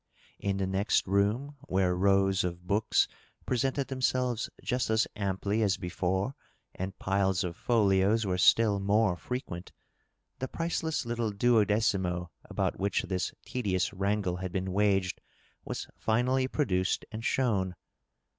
In the next room, where rows of books presented themselves just as amply as before and piles of folios were still more frequent, the priceless little duodecimo about which this tedious wrangle had been waged was iSnally produced and shown.